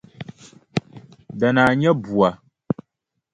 Danaa nya bua.